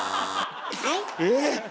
えっ。